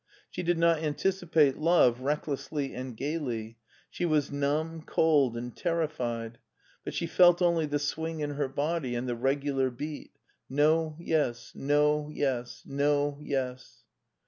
She did not anticipate love recklessly and gayly ; she was riumb, cold, and terrified, but she felt only the swing in her body and the regular beat — ^no, yes; no, yes; no, yes.